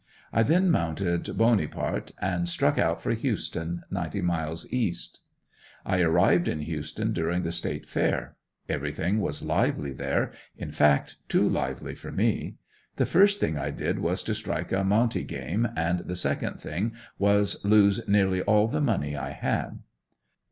I then mounted "Boney part" and struck out for Houston, ninety miles east. I arrived in Houston during the State Fair. Everything was lively there in fact too lively for me. The first thing I did was to strike a monte game and the second thing was lose nearly all the money I had.